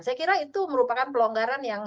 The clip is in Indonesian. saya kira itu merupakan pelonggaran yang